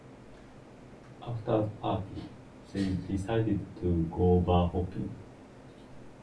After the party, they decide to go bar-hopping.